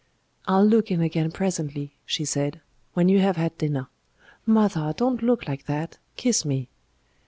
"I'll look in again presently," she said, "when you have had dinner. Mother! don't look like that! Kiss me!"